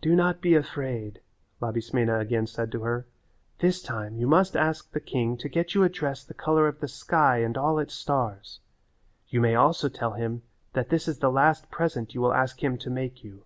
"Do not be afraid," Labismena again said to her. "This time you must ask the king to get you a dress the colour of the sky and all its stars. You may also tell him that this is the last present you will ask him to make you."